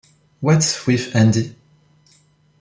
What's with Andy?